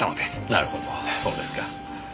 なるほどそうですか。